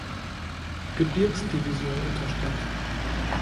Gebirgsdivision unterstellt.